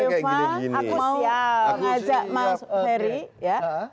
eva aku mau ngajak mas ferry ya